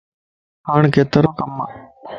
ھاڻ ڪيترو ڪمَ؟